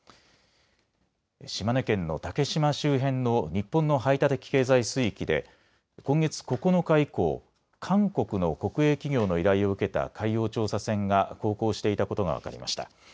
島根県の竹島周辺の日本の排他的経済水域で今月９日以降、韓国の国営企業の依頼を受けた海洋調査船が航行していたことが分かりました。